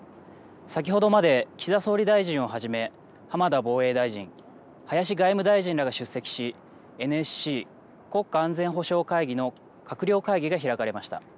先ほどまで岸田総理大臣をはじめ浜田防衛大臣、林外務大臣らが出席しＮＳＣ・国家安全保障会議の閣僚会議が開かれました。